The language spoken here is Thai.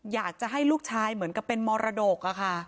อยากจะให้ลูกชายเหมือนกับเป็นมรดกอะค่ะ